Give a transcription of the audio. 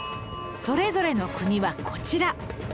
それぞれの国はこちら